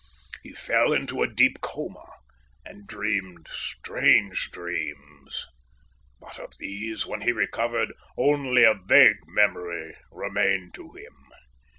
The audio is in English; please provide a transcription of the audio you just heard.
He fell into a deep coma, and dreamed strange dreams. But of these, when he recovered, only a vague memory remained to him.